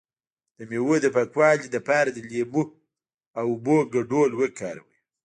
د میوو د پاکوالي لپاره د لیمو او اوبو ګډول وکاروئ